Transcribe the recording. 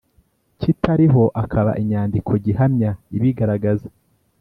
kitariho akaka inyandikogihamya ibigaragaza